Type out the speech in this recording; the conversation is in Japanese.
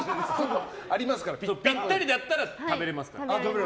ぴったりだったら食べられますから。